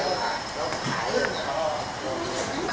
สวัสดีครับ